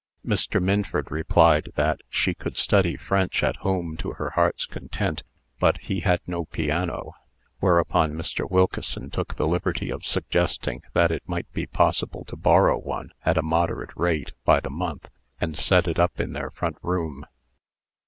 Mr. Minford replied, that she could study French at home to her heart's content, but he had no piano. Whereupon Mr. Wilkeson took the liberty of suggesting that it might be possible to borrow one, at a moderate rate, by the month, and set it up in their front room.